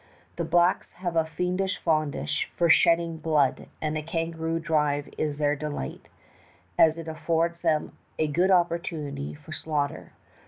The blacks have a fiendish fondness for shedding blood, and a kangaroo drive is their delight, as it affords them a good opportunity for slaughter.